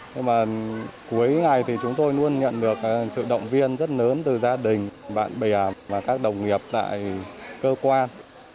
nhưng mà cuối ngày thì chúng tôi luôn nhận được sự động viên rất lớn từ gia đình bạn bè và các đồng nghiệp tại cơ quan